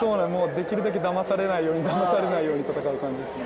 できるだけダマされないようにダマされないように戦う感じですね。